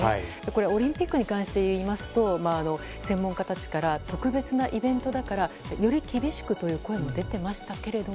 オリンピックに関して言いますと専門家たちから特別なイベントだからより厳しくという声も出ていましたけれども。